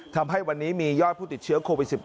ทำให้วันนี้มียอดผู้ติดเชื้อโควิด๑๙